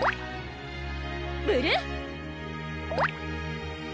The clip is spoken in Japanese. ブルー！